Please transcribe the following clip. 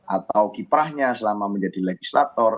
atau kiprahnya selama menjadi legislator